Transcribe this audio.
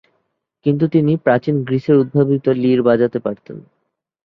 কিন্তু তিনি প্রাচীন গ্রীসের উদ্ভাবিত লির বাজাতে পারতেন।